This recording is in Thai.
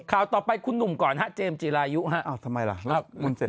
ข่าวต่อไปคุณหนุ่มก่อนฮะเจมส์จิรายุฮะอ้าวทำไมล่ะแล้วมึงเสร็จ